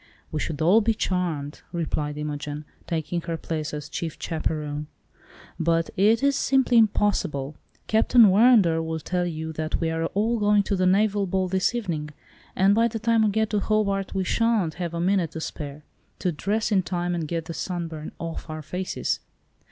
"We should all be charmed," replied Imogen, taking her place as chief chaperon, "but it is simply impossible. Captain Warrender will tell you that we are all going to the naval ball this evening, and by the time we get to Hobart we sha'n't have a minute to spare, to dress in time and get the sunburn off our faces."